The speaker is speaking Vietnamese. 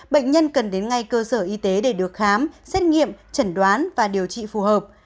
bệnh nhân cần đến ngay cơ sở y tế để được khám xét nghiệm chẩn đoán và điều trị phù hợp